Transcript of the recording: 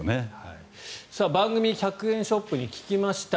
番組、１００円ショップに聞きました。